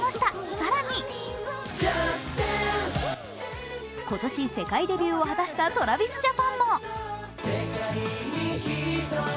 更に今年、世界デビューを果たしたＴｒａｖｉｓＪａｐａｎも。